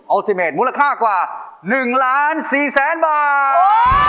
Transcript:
อัลติเมตรมูลค่ากว่า๑๔ล้านบาท